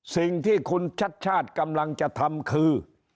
สิ่งที่คุณชัดชาติกำลังจะทำคือ